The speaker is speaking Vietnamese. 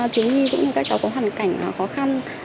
chứ như các cháu có hoàn cảnh khó khăn